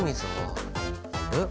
えっ！？